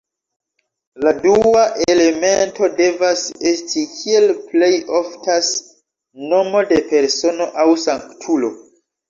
La dua elemento devas esti, kiel plej oftas, nomo de persono aŭ sanktulo.